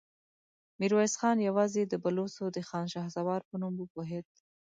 ميرويس خان يواځې د بلوڅو د خان شهسوار په نوم وپوهېد.